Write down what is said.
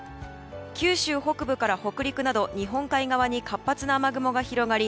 九州北部から北陸など日本海側に活発な雨雲が広がり